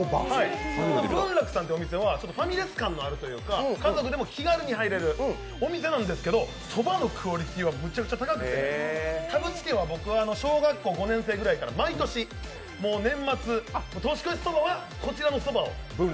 文楽さんというお店はファミレス感もあるというか家族でも気軽に入れるお店なんですけどそばのクオリティーはめちゃくちゃ高くて、田淵家は小学校５年生ぐらいから年末、年越しそばは、こちらのそばを。